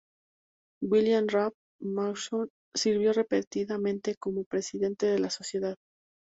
William Ralph Maxon sirvió repetidamente como presidente de la sociedad.